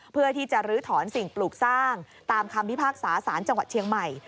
เพื่อที่จะลื้อถอนสิ่งปลูกสร้างตามคำพิพากษาสารจังหวัดเชียงใหม่